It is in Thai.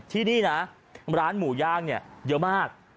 ที่นี่ร้านหมูย่างเยอะมาก